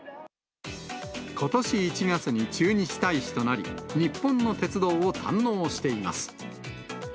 ことし１月に駐日大使となり、日本の鉄道を堪能しています。